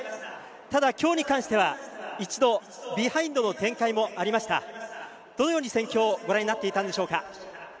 ただ今日に関しては一度ビハインドの展開もありどのように戦況をご覧になっていたのでしょうか。